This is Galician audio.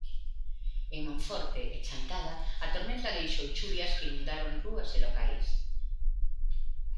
En Monforte e Chantada, a tormenta deixou chuvias que inundaron rúas e locais.